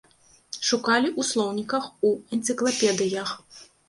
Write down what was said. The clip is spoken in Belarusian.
Шукалі ў слоўніках, у энцыклапедыях.